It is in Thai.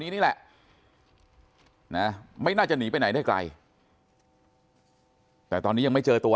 นี่แหละนะไม่น่าจะหนีไปไหนได้ไกลแต่ตอนนี้ยังไม่เจอตัว